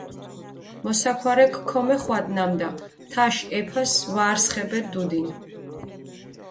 მოსაქვარექ ქომეხვადჷ, ნამდა თაშ ეფას ვა არსხებედჷ დუდინ.